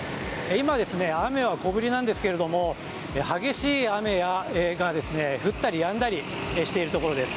今、雨は小降りなんですが激しい雨が降ったりやんだりしているところです。